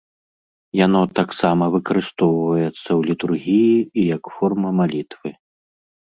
Яно таксама выкарыстоўваецца ў літургіі і як форма малітвы.